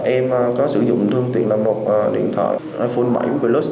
em có sử dụng thương tiện là một điện thoại iphone bảy plus